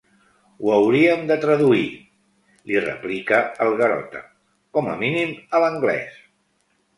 Ho hauríem de traduir —li replica el Garota—, com a mínim a l'anglès.